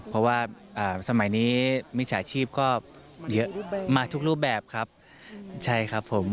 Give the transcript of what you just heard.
เพราะว่าสมัยนี้มิจฉาชีพก็เยอะมาทุกรูปแบบครับใช่ครับผม